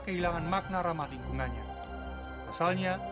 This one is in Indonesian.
terima kasih tuhan